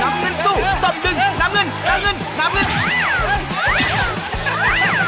น้ำลื่นสู้ทร่วมดึงน้ำลื่นน้ำลื่นน้ำลื่น